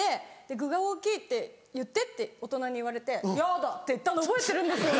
「具が大きい」って言ってって大人に言われて「ヤダ！」って言ったの覚えてるんですよ。